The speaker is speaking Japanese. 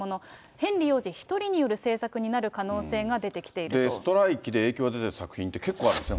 ヘンリー王子１人による制作になストライキで影響が出てる作品って結構あるんですね。